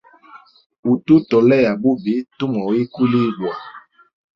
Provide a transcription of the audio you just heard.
Utu tolea bubi, tumwa ikulibwa.